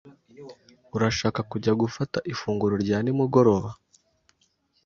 Urashaka kujya gufata ifunguro rya nimugoroba?